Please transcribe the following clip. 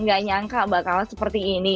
gak nyangka bakal seperti ini